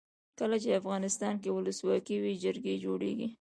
کله چې افغانستان کې ولسواکي وي جرګې جوړیږي.